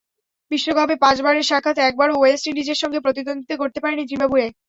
বিশ্বকাপে পাঁচবারের সাক্ষাতে একবারও ওয়েস্ট ইন্ডিজের সঙ্গে প্রতিদ্বন্দ্বিতা গড়তে পারেনি জিম্বাবুয়ে।